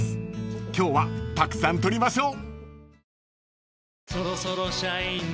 ［今日はたくさん撮りましょう］